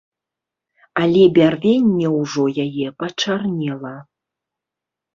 Але бярвенне ўжо яе пачарнела.